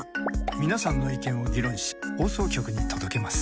皆さんの意見を議論し放送局に届けます。